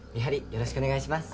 よろしくお願いします。